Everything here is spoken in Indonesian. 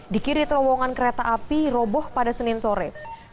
di kiri terowongan kereta api roboh pada senin sore